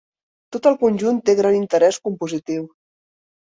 Tot el conjunt té gran interès compositiu.